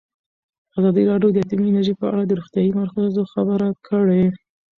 ازادي راډیو د اټومي انرژي په اړه د روغتیایي اغېزو خبره کړې.